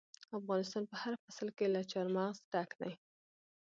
افغانستان په هر فصل کې له چار مغز ډک دی.